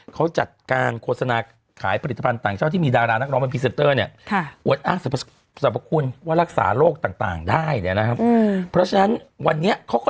เขาจัดการโฆษณาขายผลิตภัณฑ์ต่างเช่าที่มีดารานักร้องเป็นพรีเซนเตอร์เนี่ยนะครับ